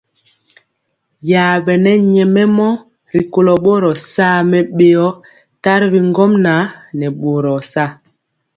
Yabɛne nyɛmemɔ rikolo boro saa mɛbeo tari bi ŋgomnaŋ nɛ boro.